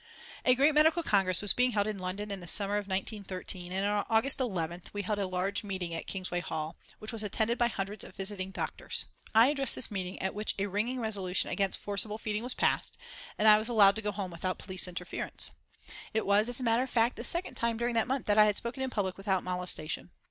A great medical congress was being held in London in the summer of 1913, and on August 11th we held a large meeting at Kingsway Hall, which was attended by hundreds of visiting doctors. I addressed this meeting, at which a ringing resolution against forcible feeding was passed, and I was allowed to go home without police interference. It was, as a matter of fact, the second time during that month that I had spoken in public without molestation.